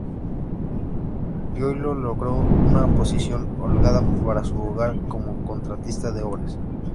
Giulio logró una posición holgada para su hogar como contratista de obras.